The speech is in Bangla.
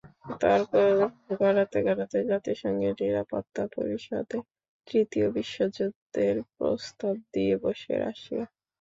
তর্ক গড়াতে গড়াতে জাতিসংঘের নিরাপত্তা পরিষদে তৃতীয় বিশ্বযুদ্ধের প্রস্তাব দিয়ে বসে রাশিয়া।